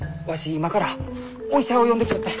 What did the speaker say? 今からお医者を呼んできちょいて！